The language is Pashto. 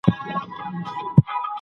ټولنپوهنه د انساني ټولني علم بلل کیږي.